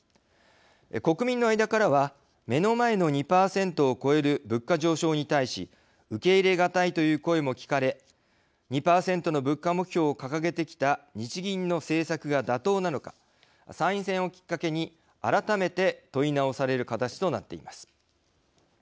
国民の間からは目の前の２％を超える物価上昇に対し受け入れ難いという声も聞かれ２％の物価目標を掲げてきた日銀の政策が妥当なのか参院選をきっかけに改めて問い直される形となっています。